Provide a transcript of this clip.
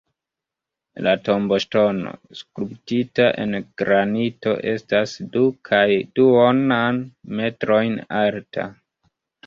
La tomboŝtono skulptita en granito estas du kaj duonan metrojn alta.